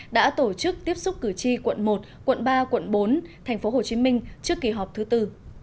đã tổ chức tiếp xúc cử tri quận một quận ba quận bốn tp hcm trước kỳ họp thứ tư